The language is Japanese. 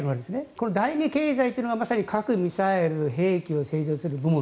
この第２経済というのがまさに核、兵器を生産する部門。